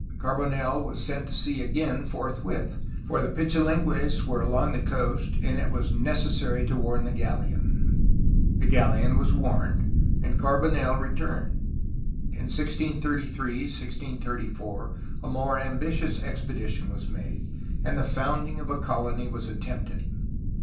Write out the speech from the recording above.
Carbonel was sent to sea again forthwith, for the Pichilingues were along the coast and it was necessary to warn the galleon. The galleon was warned, and Carbonel returned. In 1633 1634 a more ambitious expedition was made, and the founding of a colony was attempted.